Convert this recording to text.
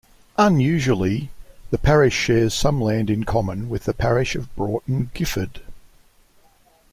Unusually, the parish shares some land in common with the parish of Broughton Gifford.